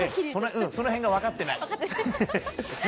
その辺が分かっていない。